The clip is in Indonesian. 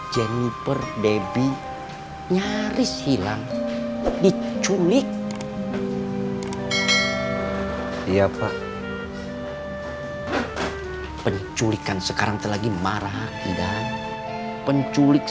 jennifer debbie nyaris hilang diculik iya pak penculikan sekarang terlalu marah idan penculik